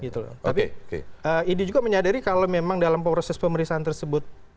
tapi idi juga menyadari kalau memang dalam proses pemeriksaan tersebut